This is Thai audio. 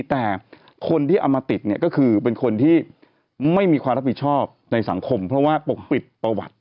แต่คนที่เอามาติดเนี่ยก็คือเป็นคนที่ไม่มีความรับผิดชอบในสังคมเพราะว่าปกปิดประวัติ